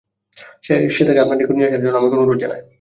সে তাকে আপনার নিকট নিয়ে আসার জন্যে আমাকে অনুরোধ জানায়।